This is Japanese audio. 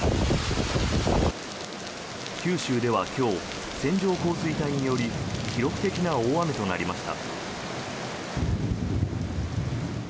九州では今日線状降水帯により記録的な大雨となりました。